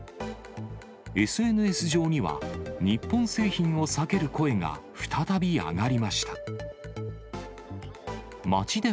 ＳＮＳ上には、日本製品を避ける声が再び上がりました。